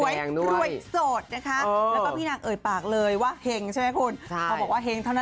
ซวยรวยโสดแบบนั้นกับพี่นางเอ่ยปากเลยว่าเห็งใช่ไหมคุณ